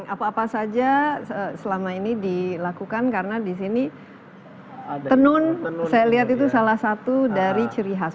apa apa saja selama ini dilakukan karena di sini tenun saya lihat itu salah satu dari ciri khas